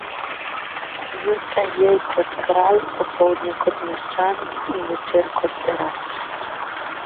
Zjutraj jej kot kralj, opoldne kot meščan, zvečer kot berač.